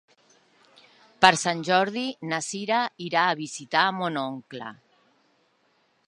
Per Sant Jordi na Cira irà a visitar mon oncle.